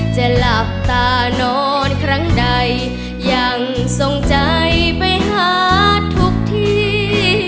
จะหลับตานอนครั้งใดยังทรงใจไปหาทุกที